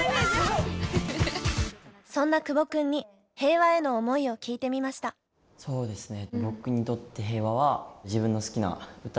そんな久保君に平和への思いを聞いてみましたそうですね。